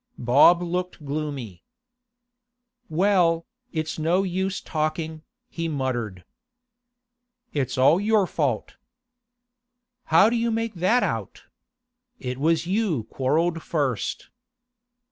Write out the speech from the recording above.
Bob looked gloomy. 'Well, it's no use talking,' he muttered. 'It's all your fault.' 'How do you make that out? It was you quarrelled first.